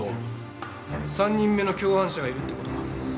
３人目の共犯者がいるって事か。